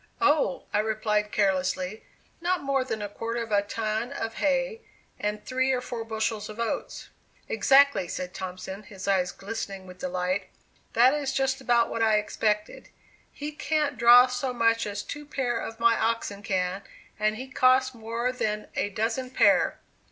"Oh," I replied carelessly, "not more than a quarter of a ton of hay and three or four bushels of oats." "Exactly," said Thompson, his eyes glistening with delight; "that is just about what I expected. He can't draw so much as two pair of my oxen can, and he costs more than a dozen pair."